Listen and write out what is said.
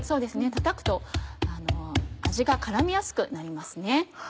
たたくと味が絡みやすくなりますね。